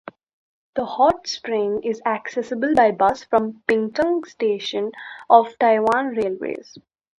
The hot spring is accessible by bus from Pingtung Station of Taiwan Railways.